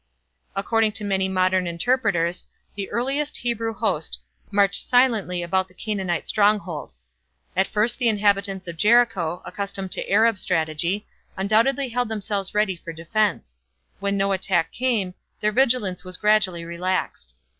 According to many modern interpreters the earliest Hebrew host marched silently about the Canaanite stronghold. At first the inhabitants of Jericho, accustomed to Arab strategy, undoubtedly held themselves ready for defence. When no attack came, their vigilance was gradually relaxed.